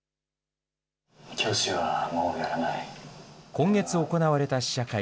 今月行われた試写会。